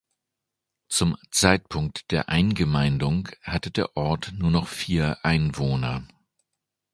Zum Zeitpunkt der Eingemeindung hatte der Ort nur noch vier Einwohner.